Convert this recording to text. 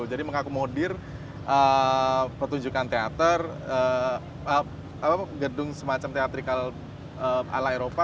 jadi mengakomodir pertunjukan teater gedung semacam teater ala eropa